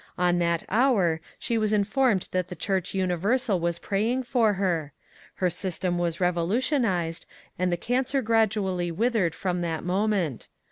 On that hour she was informed that the Church universal was praying for her. Her system was revolutionized, and the cancer gradually withered from that moment.